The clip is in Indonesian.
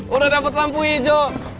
udah dapet lampu hijau